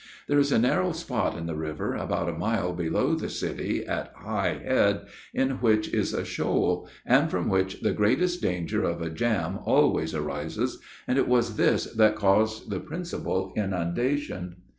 There is a narrow spot in the river, about a mile below the city, at High Head, in which is a shoal, and from which the greatest danger of a jam always arises, and it was this that caused the principal inundation.